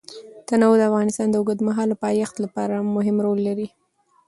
تنوع د افغانستان د اوږدمهاله پایښت لپاره مهم رول لري.